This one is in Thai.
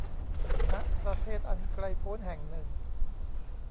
ณ ประเทศอันไกลพ้นแห่งหนึ่ง